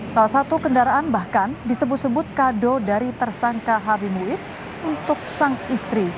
salah satu kendaraan bahkan disebut sebut kado dari tersangka habi nuis untuk sang istri